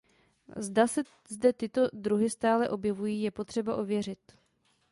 Zda se zde tyto druhy stále objevují je potřeba ověřit.